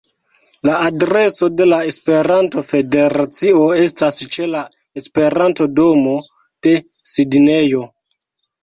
La adreso de la Esperanto-Federacio estas ĉe la Esperanto-domo de Sidnejo.